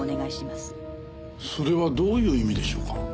それはどういう意味でしょうか？